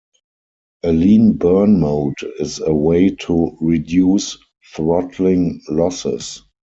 A lean burn mode is a way to reduce throttling losses.